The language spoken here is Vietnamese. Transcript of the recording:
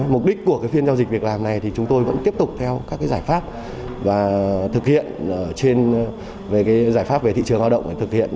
mục đích của phiên giao dịch việc làm này thì chúng tôi vẫn tiếp tục theo các giải pháp và thực hiện trên giải pháp về thị trường lao động